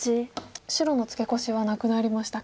白のツケコシはなくなりましたか。